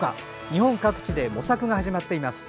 日本各地で模索が始まっています。